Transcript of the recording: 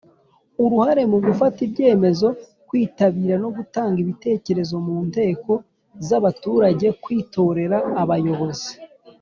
uruhare mu gufata ibyemezo kwitabira no gutanga ibitekerezo mu nteko z abaturage kwitorera abayobozi